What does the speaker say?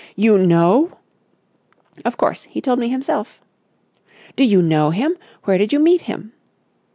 "You know!" "Of course! He told me himself." "Do you know him? Where did you meet him?"